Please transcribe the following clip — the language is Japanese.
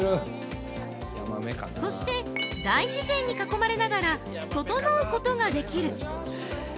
そして、大自然に囲まれながら「ととのう」ことができる。